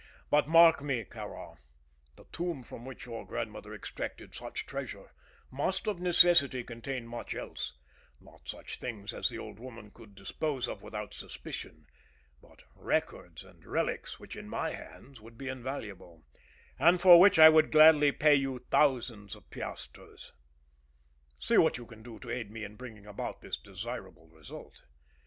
But mark me, Kāra, the tomb from which your grandmother extracted such treasure must of necessity contain much else not such things as the old woman could dispose of without suspicion, but records and relics which in my hands would be invaluable, and for which I would gladly pay you thousands of piasters. See what you can do to aid me to bring about this desirable result.